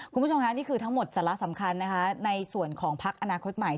คุณผู้ชมค่ะนี่คือทั้งหมดสาระสำคัญนะคะในส่วนของพักอนาคตใหม่